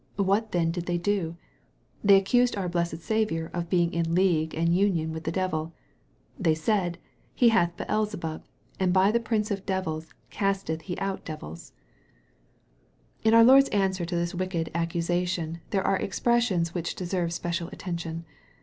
What then did they do ? They accused our blessed Saviour of being in league and union with the devil. They said, "He hath Beelzebub, and bj the prince of the devils casteth he out devils." 54 EXPOSITORY THOUGHTS. In our Lord's answer to this wicked accusation, there are expressions which deserve special attention.